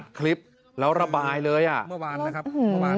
คลิปแล้วระบายเลยอ่ะเมื่อวานนะครับเมื่อวาน